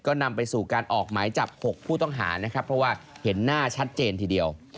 ก็นำไปสู่การออกหมายจับ๖ผู้ต้องหานะครับเพราะว่าเห็นหน้าชัดเจนทีเดียว